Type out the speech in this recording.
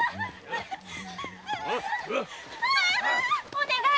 お願い！